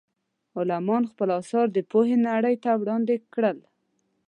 عالمانو خپل اثار د پوهې نړۍ ته وړاندې کړل.